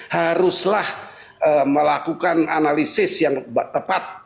haruslah melakukan analisis yang tepat